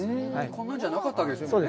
こんなんじゃなかったんですね。